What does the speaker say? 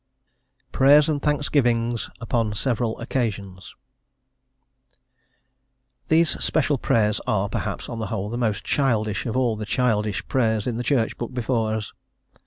PRAYERS AND THANKSGIVINGS UPON SEVERAL OCCASIONS. These special prayers are, perhaps, on the whole, the most childish of all the childish prayers in the Church book before us.